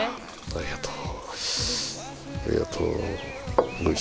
ありがとう。